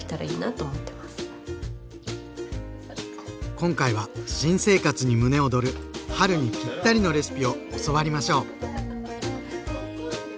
今回は新生活に胸躍る春にピッタリのレシピを教わりましょう！